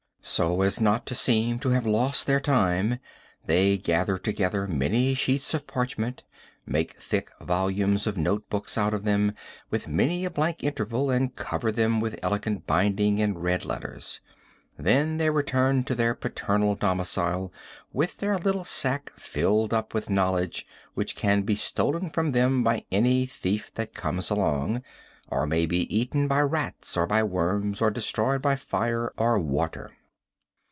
So as not to seem to have lost their time they gather together many sheets of parchment, make thick volumes of note books out of them, with many a blank interval, and cover them with elegant binding in red letters. Then they return to the paternal domicile with their little sack filled up with knowledge which can be stolen from them by any thief that comes along, or may be eaten by rats or by worms or destroyed by fire or water.